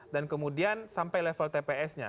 dan kemudian sampai level tps nya